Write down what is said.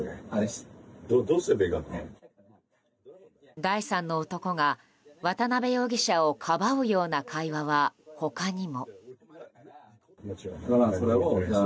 第三の男が渡邉容疑者をかばうような会話は、他にも。